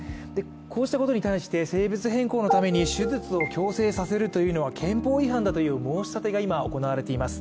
こうしたことに対して、性別変更のために手術を強制させるというのは憲法違反だという申し立てが今、行われています。